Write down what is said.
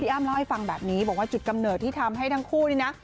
อ้ำเล่าให้ฟังแบบนี้บอกว่าจุดกำเนิดที่ทำให้ทั้งคู่นี่นะ